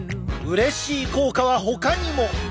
うれしい効果はほかにも！